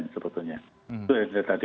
sebetulnya itu yang dari